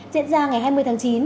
diễn ra ngày hai mươi tháng chín